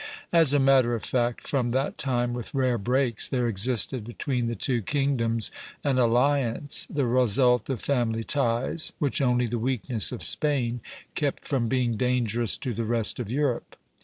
As a matter of fact, from that time, with rare breaks, there existed between the two kingdoms an alliance, the result of family ties, which only the weakness of Spain kept from being dangerous to the rest of Europe.